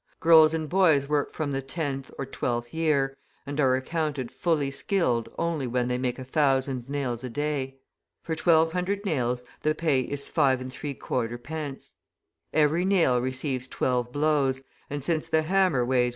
Girls and boys work from the tenth or twelfth year, and are accounted fully skilled only when they make a thousand nails a day. For twelve hundred nails the pay is 5.75d. Every nail receives twelve blows, and since the hammer weighs 1.